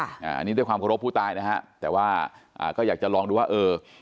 อันนี้ด้วยความเคารพผู้ตายนะฮะแต่ว่าอ่าก็อยากจะลองดูว่าเออ